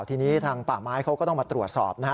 ทีนี้ทางป่าไม้เขาก็ต้องมาตรวจสอบนะฮะ